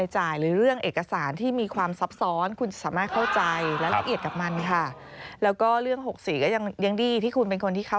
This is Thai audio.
หมายเลขนะคะ๐๐๐๑๖๔๐๐